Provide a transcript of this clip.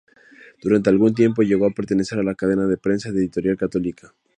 Durante algún tiempo llegó a pertenecer a la cadena de prensa de Editorial Católica.